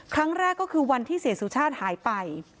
ครั้งแรกก็คือวันที่เศรษฐศาสตร์หายไป